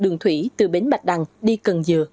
đường thủy từ bến bạch đằng đi cần dừa